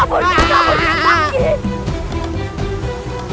bukan makin banyak